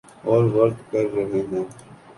اور ورد کر رہے ہیں۔